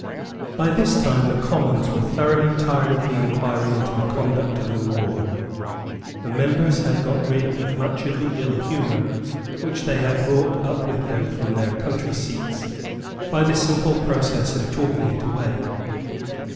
By this time the Commons were thoroughly tired of the inquiry into the conduct of the war. The members had got rid of much of the ill humour which they had brought up with them from their country seats by the simple process of talking it away.